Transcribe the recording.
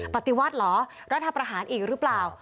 ปฏิวัติเหรอรัฐประหารอีกหรือเปล่า